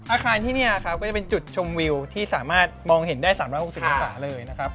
อาคารที่นี่ครับก็จะเป็นจุดชมวิวที่สามารถมองเห็นได้๓๖๐องศาเลยนะครับ